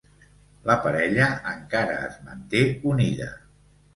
La parella encara es manté unida.